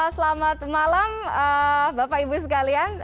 selamat malam bapak ibu sekalian